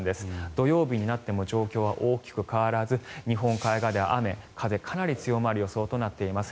土曜日になっても状況は大きく変わらず日本海側では雨風かなり強まる予想となっています。